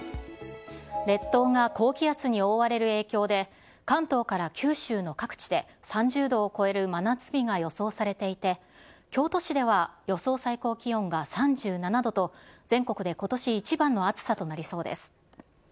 列島が高気圧に覆われる影響で、関東から九州の各地で、３０度を超える真夏日が予想されていて、京都市では予想最高気温が３７度と、全国でことし一番の暑さとなりそうです。